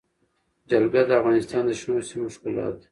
جلګه د افغانستان د شنو سیمو ښکلا ده.